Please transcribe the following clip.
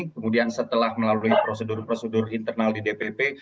kemudian setelah melalui prosedur prosedur internal di dpp